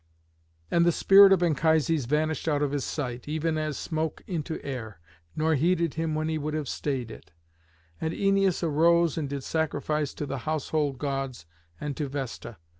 And the spirit of Anchises vanished out of his sight, even as smoke into the air, nor heeded him when he would have stayed it; and Æneas arose and did sacrifice to the household gods and to Vesta.